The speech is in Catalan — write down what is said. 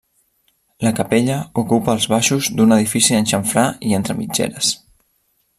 La capella ocupa els baixos d'un edifici en xamfrà i entre mitgeres.